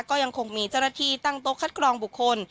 ก็ยังคงมีเจ้าหน้าที่ตั้งโต๊ะคัดกรองบุคคล